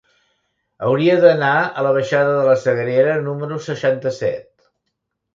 Hauria d'anar a la baixada de la Sagrera número seixanta-set.